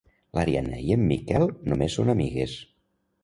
L'Ariadna i en Miquel només són amigues.